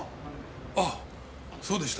あっそうでした。